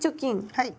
はい。